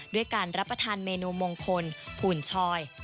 ด้วยการรับประทานเมนูมงคลผูนชอย